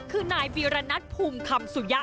คือนายวีรณัฐภูมิคำสุยะ